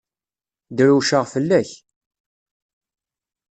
Drewceɣ fell-ak.